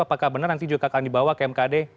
apakah benar nanti juga akan dibawa ke mkd